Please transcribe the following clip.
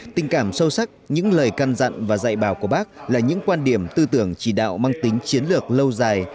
tình cảm sâu sắc những lời căn dặn và dạy bào của bác là những quan điểm tư tưởng chỉ đạo mang tính chiến lược lâu dài